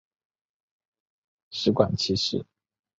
食管憩室。